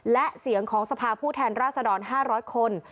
และเสียงของสภาผู้แทนราษดร๕๐๐คน